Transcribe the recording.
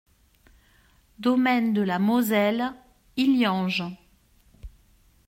Domaine de la Moselle, Illange